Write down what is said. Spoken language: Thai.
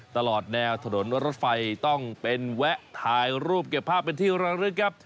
ตลอดแนวถนนรถไฟต้องเป็นแวะถ่ายรูปเก็บภาพเป็นที่ระลึกครับ